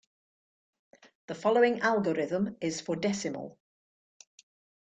The following algorithm is for decimal.